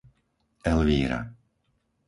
Elvíra